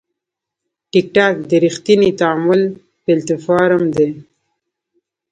ټکټاک د ریښتیني تعامل پلاتفورم دی.